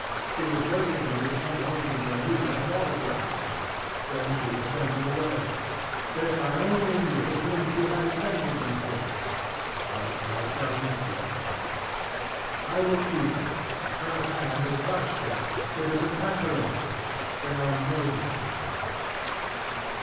She was waiting for me to come home from Bermuda and autograph them, then she would send them away. If I only knew whom she intended them for! But I shall never know. I will keep them. Her hand has touched themŌĆöit is an accoladeŌĆöthey are noble, now.